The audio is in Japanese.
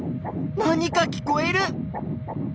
何か聞こえる！